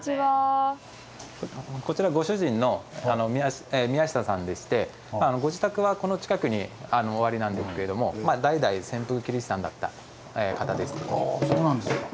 こちらご主人の宮下さんでしてご自宅はこの近くにおありなんですけれどもああそうなんですか。